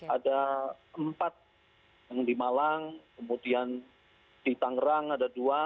ada empat yang di malang kemudian di tangerang ada dua